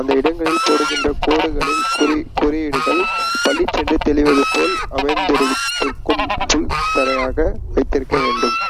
அந்த இடங்களில், போடுகின்ற கோடுகளின் குறியீடுகள் பளிச்சென்று தெரிவதுபோல் அமைந்திருக்கும் புல் தரையாக வைத்திருக்க வேண்டும்.